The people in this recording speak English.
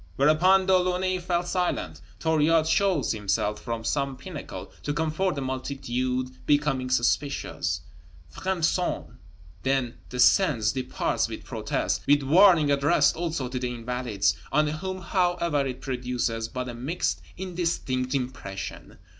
Whereupon De Launay fell silent. Thuriot shows himself from some pinnacle to comfort the multitude becoming suspicious, fremes cent, then descends, departs with protest, with warning addressed also to the Invalides, on whom however it produces but a mixed, indistinct impression.